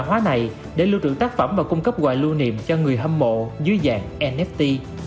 văn hóa này để lưu trữ tác phẩm và cung cấp quà lưu niệm cho người hâm mộ dưới dạng nft